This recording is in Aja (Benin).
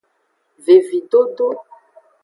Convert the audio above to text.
Vevidodo.